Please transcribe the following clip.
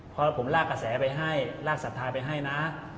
เพราะผมลากกระแสไปให้ลากสัตว์ทางไปให้นะ